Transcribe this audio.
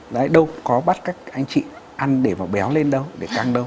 đấy đâu có bắt các anh chị ăn để mà béo lên đâu để càng đâu